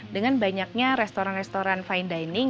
dengan banyaknya restoran restoran fine dining